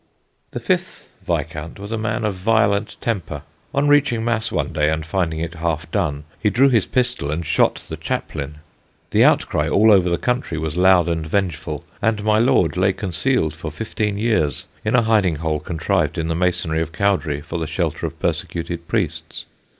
The fifth Viscount was a man of violent temper. On reaching Mass one day and finding it half done, he drew his pistol and shot the chaplain. The outcry all over the country was loud and vengeful, and my lord lay concealed for fifteen years in a hiding hole contrived in the masonry of Cowdray for the shelter of persecuted priests.